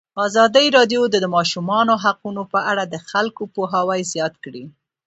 ازادي راډیو د د ماشومانو حقونه په اړه د خلکو پوهاوی زیات کړی.